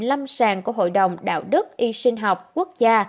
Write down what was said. lâm sàng của hội đồng đạo đức y sinh học quốc gia